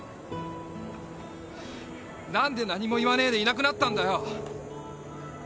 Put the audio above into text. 何で何も言わねえでいなくなったんだよ！